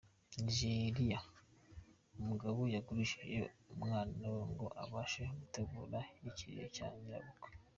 Nigeria:Umugabo yagurishije umwana we ngo abashe gutegura ikiriyo cya nyirakuru .